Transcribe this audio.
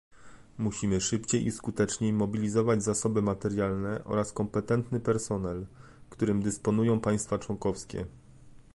Musimy szybciej i skuteczniej mobilizować zasoby materialne oraz kompetentny personel, którym dysponują państwa członkowskie